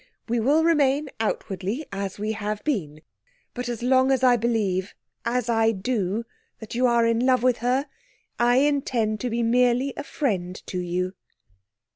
We will remain outwardly as we have been. But as long as I believe, as I do, that you are in love with her, I intend to be merely a friend to you.'